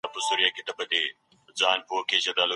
خدای په مهربانو خلکو رحم کوي.